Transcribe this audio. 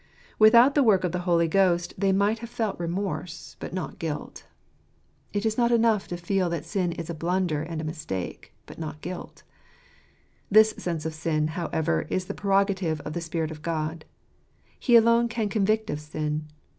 — Without the work of the Holy Ghost they might " Wiz are frerily (Ssrilttr !" 89 have felt remorse, but not guilt. It is not enough to feel that sin is a blunder and a mistake, but not guilt. This sense of sin, however, is the prerogative of the Spirit of God. He alone can convict of sin.